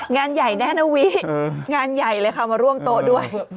งานใหญ่ง่ายเลยค่ะมาร่วมโตด้วย